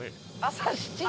朝７時。